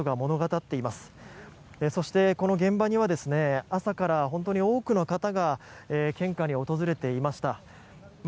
そして、この現場には朝から本当に多くの方が献花に訪れていました。